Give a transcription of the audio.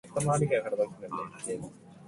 This is the man whom Aldo considers his best friend.